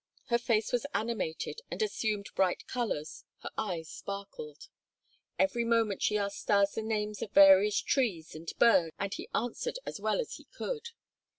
Her face was animated and assumed bright colors, her eyes sparkled. Every moment she asked Stas the names of various trees and birds and he answered as well as he could.